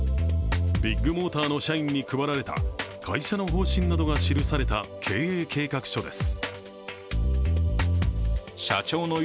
ビッグモーターの社員に配られた会社の方針などが記された経営計画書です。